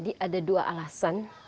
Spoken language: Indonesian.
di mana ada dua alasan